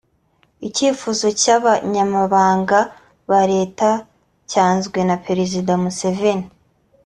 Icyifuzo cy’aba banyamabanga ba Leta cyanzwe na Perezida Museveni